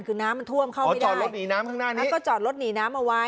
คือน้ำมันท่วมเข้าไปได้จอดรถหนีน้ำข้างหน้านี้ก็จอดรถหนีน้ำเอาไว้